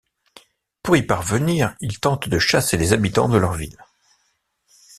Pour y parvenir, il tente de chasser les habitants de leur ville.